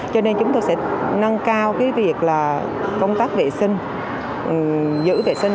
cho nên chúng tôi sẽ nâng cao việc công tác vệ sinh giữ vệ sinh